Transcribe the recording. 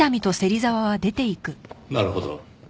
なるほど。